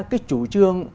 cái chủ trương